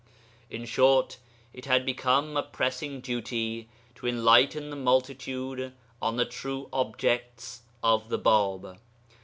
In short, it had become a pressing duty to enlighten the multitude on the true objects of the Bāb.